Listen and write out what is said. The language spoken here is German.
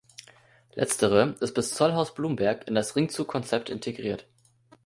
Letztere ist bis Zollhaus-Blumberg in das Ringzug-Konzept integriert.